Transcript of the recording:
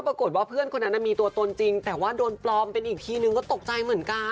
ปรากฏว่าเพื่อนคนนั้นมีตัวตนจริงแต่ว่าโดนปลอมเป็นอีกทีนึงก็ตกใจเหมือนกัน